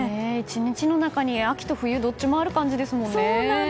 １日の中に秋と冬がどっちもある感じですもんね。